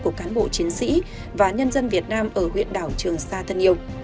của cán bộ chiến sĩ và nhân dân việt nam ở huyện đảo trường sa thân yêu